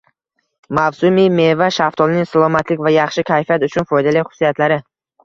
Mavsumiy meva: shaftolining salomatlik va yaxshi kayfiyat uchun foydali xususiyatlari